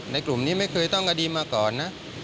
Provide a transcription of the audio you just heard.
กลุ่มนี้ไม่เคยต้องอดีตมาก่อนนะ